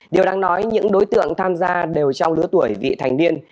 điều đáng nói những đối tượng tham gia đều trong lứa tuổi vị thành niên